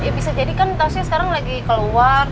ya bisa jadi kan tasnya sekarang lagi keluar